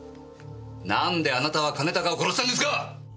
なんであなたは兼高を殺したんですか！